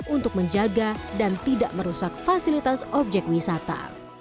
untuk menjaga dan tidak merusak fasilitas objek wisata